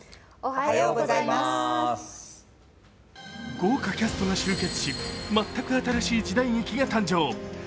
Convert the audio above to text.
豪華キャストが集結し全く新しい時代劇が誕生。